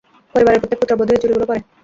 পরিবারের প্রত্যেক পুত্রবধূ এই চুড়িগুলো পরে।